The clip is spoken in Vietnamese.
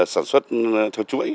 sản xuất theo chuỗi